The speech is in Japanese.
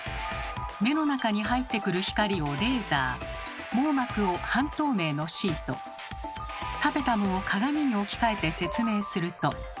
目の中に入ってくる光をレーザー網膜を半透明のシートタペタムを鏡に置き換えて説明すると。